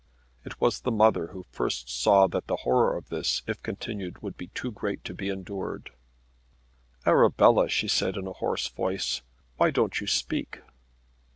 It was the mother who first saw that the horror of this if continued would be too great to be endured. "Arabella," she said in a hoarse voice, "why don't you speak?"